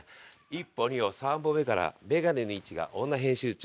１歩２歩３歩目からメガネの位置が女編集長。